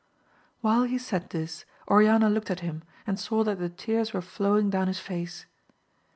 While he said this, Oriana looked at him, and saw that the tears were flow ing down his face.